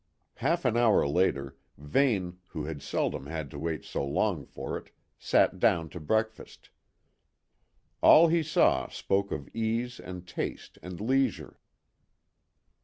Half an hour later, Vane, who had seldom had to wait so long for it, sat down to breakfast. All he saw spoke of ease and taste and leisure.